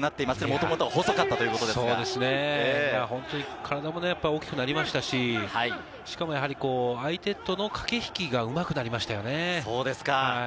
もともと細かったということ体も大きくなりましたし、しかも相手との駆け引きがうまくなりましたね。